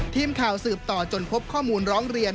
ทีมข่าวสืบต่อจนพบข้อมูลร้องเรียน